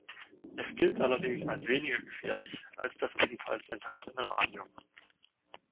Es gilt allerdings als weniger gefährlich als das ebenfalls enthaltene Radium.